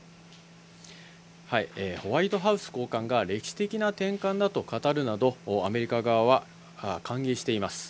ホワイトハウス高官が歴史的な転換だと語るなど、アメリカ側は歓迎しています。